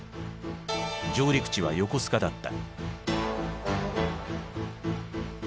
上陸地は横須賀だった。